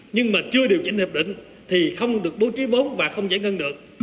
nhưng mà chưa điều chỉnh hiệp định thì không được bố trí vốn và không giải ngân được